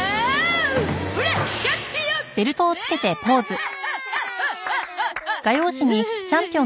アハハハ！